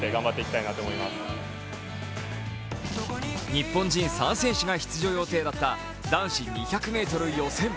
日本人３選手が出場予定だった男子２００ｍ予選。